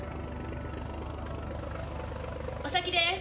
お先です。